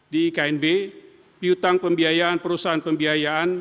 di knb piutang pembiayaan perusahaan pembiayaan